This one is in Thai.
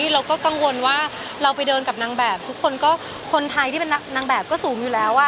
เราก็กังวลว่าเราไปเดินกับนางแบบทุกคนก็คนไทยที่เป็นนางแบบก็สูงอยู่แล้ว